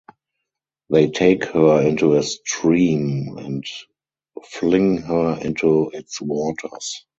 They take her into a stream and fling her into its waters.